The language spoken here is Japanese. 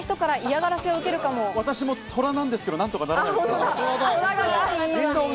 私も、とらなんですけど何とかならないですか？